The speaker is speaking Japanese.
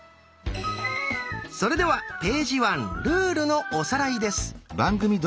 それでは「ページワン」ルールのおさらいです。